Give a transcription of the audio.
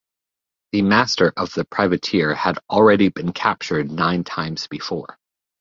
The master of the privateer had already been captured nine times before.